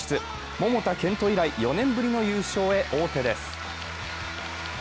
桃田賢斗以来、４年ぶりの優勝へ王手です。